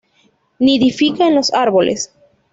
Nidifica en los árboles.